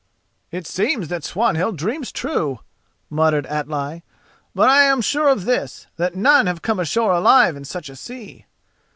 "It seems that Swanhild dreams true," muttered Atli; "but I am sure of this: that none have come ashore alive in such a sea."